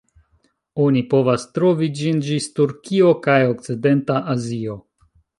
Oni povas trovi ĝin ĝis Turkio kaj okcidenta Azio.